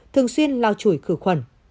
thường xuyên lao chuổi khử khuẩn